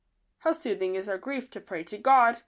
How soothing in our grief to pray to God!